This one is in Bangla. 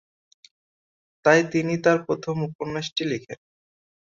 তাই তিনি তাঁর প্রথম উপন্যাসটি লিখেন।